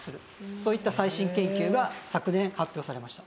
そういった最新研究が昨年発表されました。